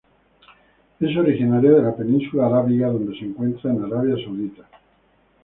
Es originaria de la Península Arábiga donde se encuentra en Arabia Saudita.